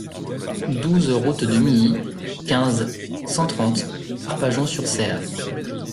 douze route de Milly, quinze, cent trente, Arpajon-sur-Cère